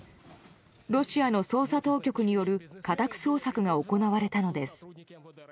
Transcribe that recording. ロシアの捜査当局による家宅捜索が行われたのです。